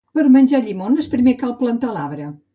Per menjar llimones primer cal plantar l'arbre